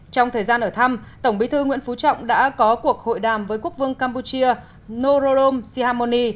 trong thời gian ở thăm tổng bí thư nguyễn phú trọng đã có cuộc hội đàm với quốc vương campuchia norom sihamoni